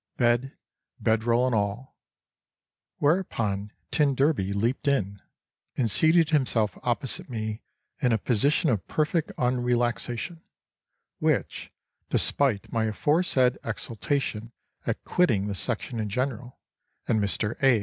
bed, bed roll and all; whereupon t d leaped in and seated himself opposite me in a position of perfect unrelaxation, which, despite my aforesaid exultation at quitting the section in general and Mr. A.